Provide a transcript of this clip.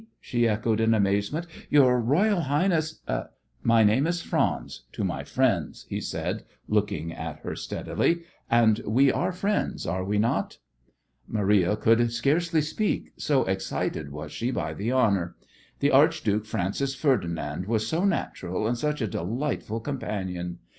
she echoed in amazement. "Your Royal Highness " "My name is Franz to my friends," he said, looking at her steadily, "and we are friends, are we not?" Maria could scarcely speak, so excited was she by the honour. The Archduke Francis Ferdinand was so natural and such a delightful companion!